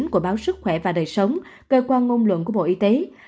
của báo sức khỏe và đời sống cơ quan ngôn luận của bộ y tế